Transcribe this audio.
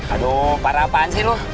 aduh parah apaan sih lu